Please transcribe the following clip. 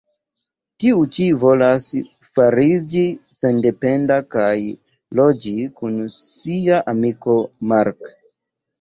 Tiu ĉi volas fariĝi sendependa kaj loĝi kun sia amiko Marc.